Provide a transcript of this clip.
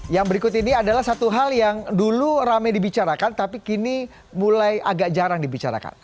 yang berikut ini adalah satu hal yang dulu rame dibicarakan tapi kini mulai agak jarang dibicarakan